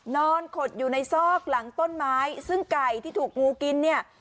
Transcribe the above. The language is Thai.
ขดอยู่ในซอกหลังต้นไม้ซึ่งไก่ที่ถูกงูกินเนี่ย